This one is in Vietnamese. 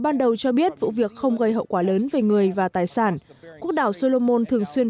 ban đầu cho biết vụ việc không gây hậu quả lớn về người và tài sản quốc đảo solomon thường xuyên